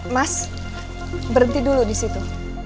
mas berhenti dulu di situ